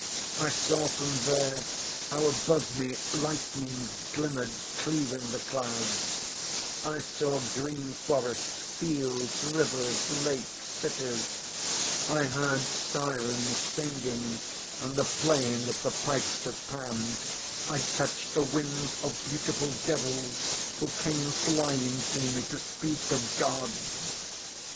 I saw from there how above me lightnings glimmered cleaving the clouds; I saw green forests, fields, rivers, lakes, cities; I heard syrens singing, and the playing of the pipes of Pan; I touched the wings of beautiful devils who came flying to me to speak of God...